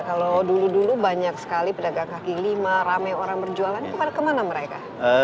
kalau dulu dulu banyak sekali pedagang kaki lima ramai orang berjualan kemana mereka